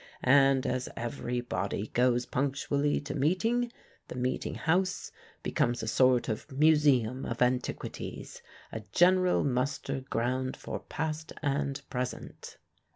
And as every body goes punctually to meeting, the meeting house becomes a sort of museum of antiquities a general muster ground for past and present.